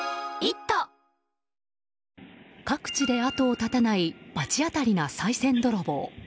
各地で後を絶たない罰当たりなさい銭泥棒。